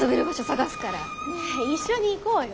一緒に行こうよ。